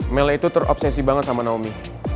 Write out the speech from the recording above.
mela itu terobsesi banget sama naomi